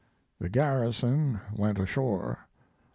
The garrison went ashore.